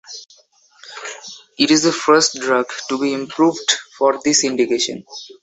It is the first drug to be approved for this indication.